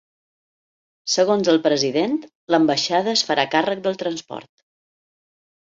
Segons el president, l’ambaixada es farà càrrec del transport.